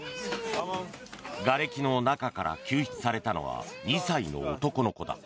がれきの中から救出されたのは２歳の男の子だ。